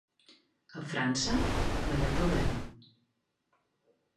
A França no hi ha problema.